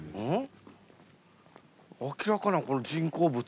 明らかなこの人工物。